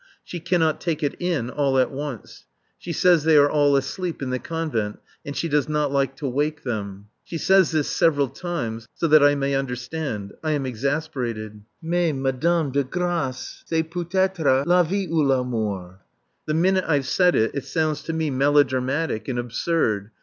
She cannot take it in all at once. She says they are all asleep in the Convent, and she does not like to wake them. She says this several times, so that I may understand. I am exasperated. "Mais, Madame de grâce! C'est peut être la vie ou la mort!" The minute I've said it it sounds to me melodramatic and absurd.